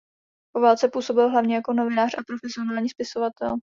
Po válce působil hlavně jako novinář a profesionální spisovatel.